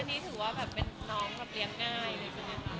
อันนี้ถือว่าเป็นน้องเลี้ยงง่าย